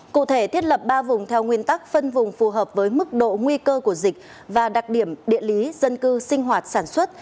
cụ thể thiết lập ba vùng theo nguyên tắc phân vùng phù hợp với mức độ nguy cơ của dịch và đặc điểm địa lý dân cư sinh hoạt sản xuất